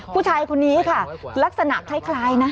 ผู้ชายคนนี้ค่ะลักษณะคล้ายนะ